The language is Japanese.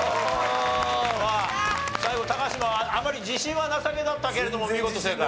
まあ最後高橋あまり自信はなさげだったけれども見事正解。